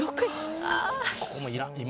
ここもいらん。